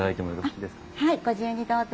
はいご自由にどうぞ。